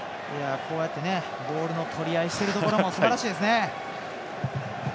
こうやってボールの取り合いしているところもすばらしいですね。